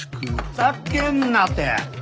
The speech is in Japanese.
ふざけんなて！